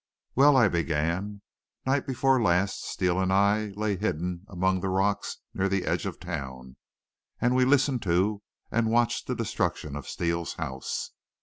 "Well," I began, "night before last Steele and I lay hidden among the rocks near the edge of town, and we listened to and watched the destruction of Steele's house.